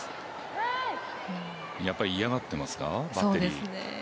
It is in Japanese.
やっぱり嫌がってますかバッテリー。